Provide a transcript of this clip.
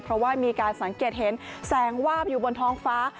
เพราะว่ามีการสังเกตเห็นแสงวาบอยู่บนท้องฟ้า